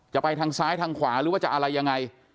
จะไปทางซ้ายทางขวาหรือว่าจะอะไรยังไง